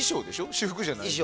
私服じゃないでしょ？